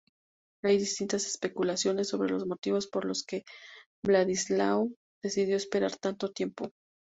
Hay distintas especulaciones sobre los motivos por los que Vladislao decidió esperar tanto tiempo.